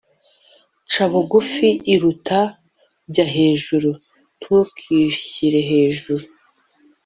Ca bugufi iruta jya hejuru.(ntukishyire hejuru)